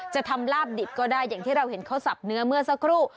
จะทำลาบดิบก็ได้อย่างที่เราเห็นเขาสับเนื้อเมื่อสักครู่